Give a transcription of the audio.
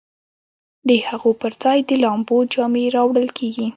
د هغو پر ځای د لامبو جامې راوړل کیږي